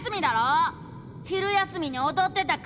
昼休みにおどってたくせに！」。